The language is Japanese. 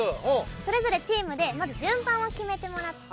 それぞれチームでまず順番を決めてもらって。